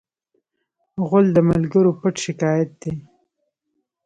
غول د ملګرو پټ شکایت دی.